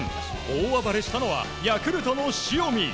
大暴れしたのはヤクルトの塩見。